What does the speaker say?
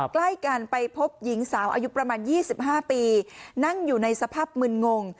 ใกล้กันไปพบหญิงสาวอายุประมาณ๒๕ปีนั่งอยู่ในสภาพมึนงง